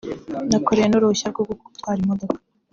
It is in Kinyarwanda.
nakoreye n’uruhushya rwo gutwara imodoka